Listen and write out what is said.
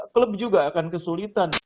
klub juga akan kesulitan